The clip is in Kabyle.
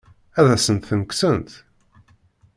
Ad asent-ten-kksent?